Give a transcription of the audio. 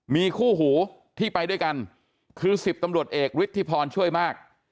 มีคู่หูที่ไปด้วยกันคือ๑๐ตำรวจเอกฤทธิพรช่วยมาก